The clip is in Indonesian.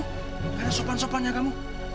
ada sopan sopannya kamu